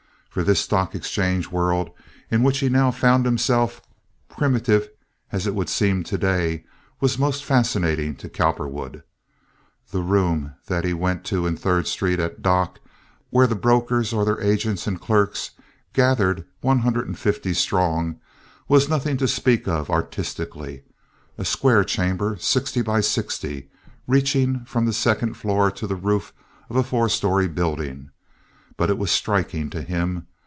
For this stock exchange world in which he now found himself, primitive as it would seem to day, was most fascinating to Cowperwood. The room that he went to in Third Street, at Dock, where the brokers or their agents and clerks gathered one hundred and fifty strong, was nothing to speak of artistically—a square chamber sixty by sixty, reaching from the second floor to the roof of a four story building; but it was striking to him.